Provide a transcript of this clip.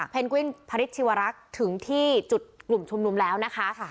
กวินพระฤทธิวรักษ์ถึงที่จุดกลุ่มชุมนุมแล้วนะคะ